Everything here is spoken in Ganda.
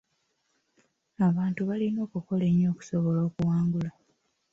Abantu balina okukola ennyo okusobola okuwangula.